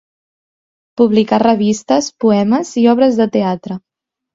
Publicà revistes, poemes i obres de teatre.